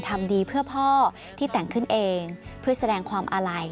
ทำดีเพื่อพ่อที่แต่งขึ้นเองเพื่อแสดงความอาลัย